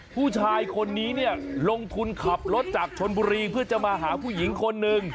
ผู้ชายคนนี้เนี่ยลงทุนขับรถจากชนบุรีเพื่อจะมาหาผู้หญิงคนหนึ่ง